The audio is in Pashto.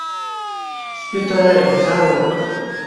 سپي ته غذا ورکړئ.